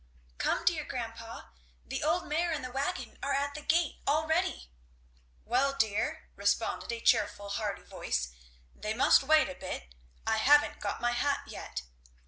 Come, dear grandpa! the old mare and the wagon are at the gate all ready." "Well, dear!" responded a cheerful hearty voice, "they must wait a bit; I haven't got my hat yet."